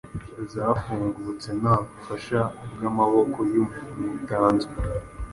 zafungutse nta bufasha bw’amaboko y’umuntu butanzwe.